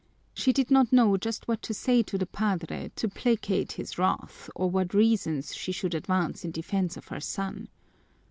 She did not know just what to say to the padre to placate his wrath or what reasons she could advance in defense of her son.